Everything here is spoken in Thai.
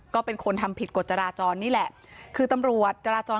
ก็เป็นคนทำผิดกฎจราจรนี่แหละคือตำรวจจราจร